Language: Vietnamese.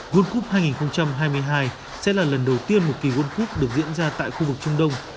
world cup hai nghìn hai mươi hai sẽ là lần đầu tiên một kỳ world cup được diễn ra tại khu vực trung đông